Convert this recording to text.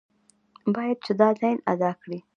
باید چې دا دین ادا کړي.